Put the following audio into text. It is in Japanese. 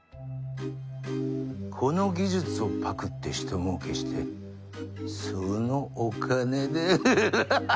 この技術をパクってひともうけしてそのお金でハハハハハ！